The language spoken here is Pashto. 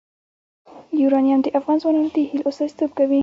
یورانیم د افغان ځوانانو د هیلو استازیتوب کوي.